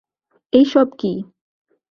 এইসব কী!